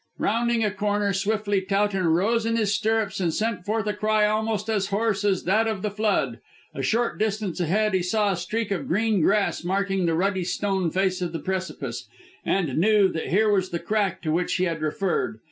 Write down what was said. Rounding a corner swiftly Towton rose in his stirrups and sent forth a cry almost as hoarse as that of the flood. A short distance ahead he saw a streak of green grass marking the ruddy stone face of the precipice, and knew that here was the crack to which he had referred.